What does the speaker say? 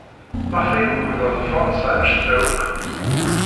Maɣef ay ukḍen Fṛansa anect-a akk?